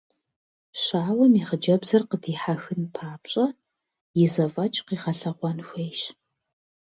Щауэм и хъыджэбзыр къыдихьэхын папщӏэ и зэфӏэкӏ къигъэлъэгъуэн хуейщ.